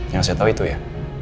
yang saya tahu itu ya